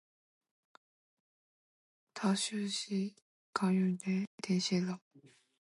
也就是说，活动马上就要停止了。